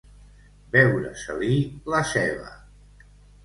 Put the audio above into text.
Veure-se-li la ceba.